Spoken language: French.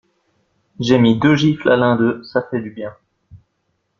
J'ai mis deux gifles à l'un deux, ça fait du bien.